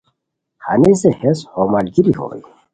ہنیسے ہیس ہو ملگیری ہوئے